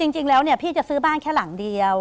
จริงแล้วเนี่ยพี่จะซื้อบ้านแค่หลังเดียว